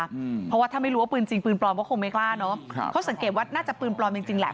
เพราะว่าถ้าไม่รู้ว่าปืนจริงปืนปลอมก็คงไม่กล้าเนอะครับเขาสังเกตว่าน่าจะปืนปลอมจริงจริงแหละ